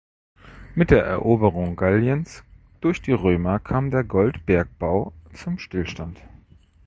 Mit der Eroberung Galliens durch die Römer kam der Goldbergbau zum Stillstand.